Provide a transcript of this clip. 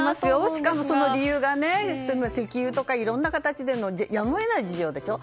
しかも、その理由が石油とかいろいろな形でのやむを得ない事情でしょ。